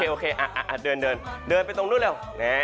โอเคเดินเดินไปตรงนู้นเร็ว